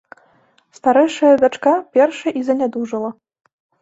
Старэйшая дачка першай і занядужала.